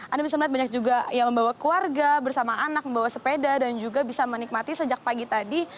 anda bisa melihat banyak juga yang membawa keluarga bersama anak membawa sepeda dan juga bisa menikmati sejak pagi tadi